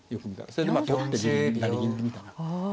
それでまあ取って銀成銀みたいな。